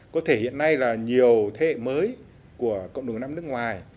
có thể hiện nay là nhiều thế hệ mới của cộng đồng nam nước ngoài